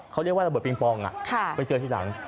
เขาเรียกว่าระเบิดปิงปองไปเจอทีหลัง